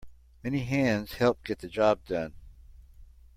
Many hands help get the job done.